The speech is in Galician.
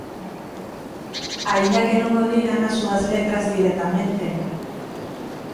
Aínda que non o digan as súas letras directamente.